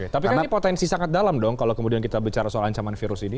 tapi karena potensi sangat dalam dong kalau kemudian kita bicara soal ancaman virus ini